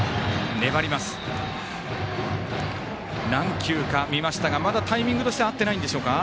何球か見ましたがタイミングとしては合ってないんですかね。